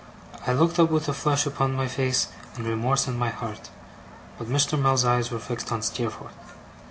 I looked up with a flush upon my face and remorse in my heart, but Mr. Mell's eyes were fixed on Steerforth.